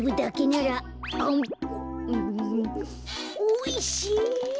おいしい。